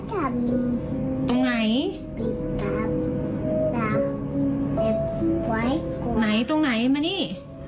แบบแบบแบบไว้ก่อนไหนตรงไหนมานี่